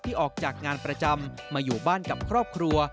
ออกจากงานประจำมาอยู่บ้านกับครอบครัว